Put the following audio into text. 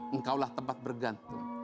engkaulah tempat bergantung